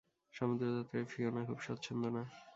সমুদ্রযাত্রায় Fiona খুব স্বচ্ছন্দ না।